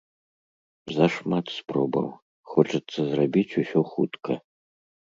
Зашмат спробаў, хочацца зрабіць усё хутка.